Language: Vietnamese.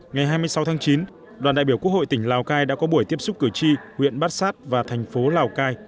ngày hai mươi sáu tháng chín đoàn đại biểu quốc hội tỉnh lào cai đã có buổi tiếp xúc cử tri huyện bát sát và thành phố lào cai